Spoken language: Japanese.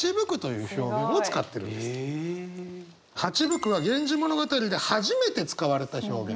蜂吹くは「源氏物語」で初めて使われた表現。